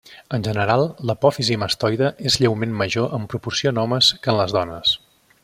En general, l'apòfisi mastoide és lleument major en proporció en homes que en les dones.